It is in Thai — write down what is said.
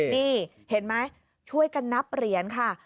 นี่เห็นไหมช่วยกันนับเหรียญค่ะ